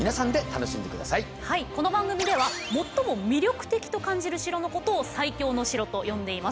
はいこの番組では最も魅力的と感じる城のことを「最強の城」と呼んでいます。